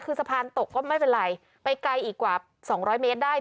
คือสะพานตกก็ไม่เป็นไรไปไกลอีกกว่า๒๐๐เมตรได้